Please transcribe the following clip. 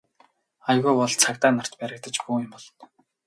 Аягүй бол цагдаа нарт баригдаж бөөн юм болно.